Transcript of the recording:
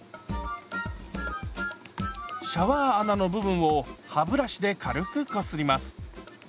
シャワー穴の部分を歯ブラシで軽くこすります。